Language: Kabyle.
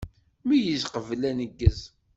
Meyyez qbel aneggez.